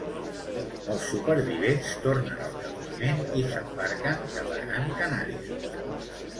Els supervivents tornen al campament i s'embarquen cap a Gran Canària.